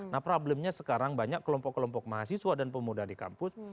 nah problemnya sekarang banyak kelompok kelompok mahasiswa dan pemuda di kampus